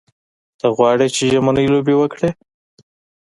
ته غواړې چې ژمنۍ لوبې وکړې.